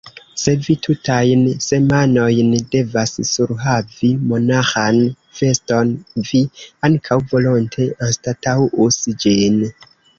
Se vi tutajn semajnojn devas surhavi monaĥan veston, vi ankaŭ volonte anstataŭus ĝin.